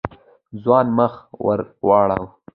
ځوان مخ ور واړاوه.